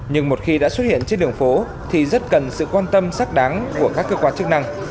nhưng một khi đã xuất hiện trên đường phố thì rất cần sự quan tâm xác đáng của các cơ quan chức năng